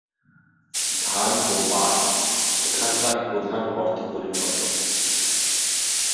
ধান ও পাট এখানকার প্রধান অর্থকরী ফসল।